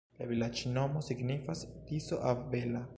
La vilaĝnomo signifas: Tiso-avela.